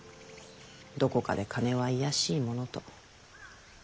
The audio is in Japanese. どこかで金は卑しいものと。